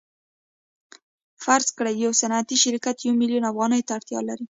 فرض کړئ یو صنعتي شرکت یو میلیون افغانیو ته اړتیا لري